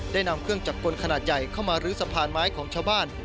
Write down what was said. นำเครื่องจักรกลขนาดใหญ่เข้ามาลื้อสะพานไม้ของชาวบ้าน